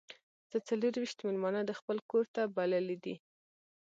زه څلور ویشت میلمانه د خپل کور ته بللي دي.